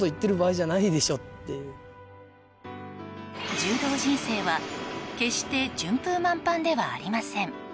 柔道人生は決して順風満帆ではありません。